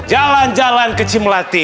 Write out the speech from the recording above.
jalan jalan ke cimlati